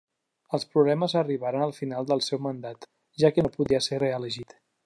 Els problemes arribaren al final del seu mandat, ja que no podia ser reelegit.